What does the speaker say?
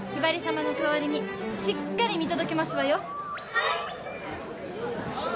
はい。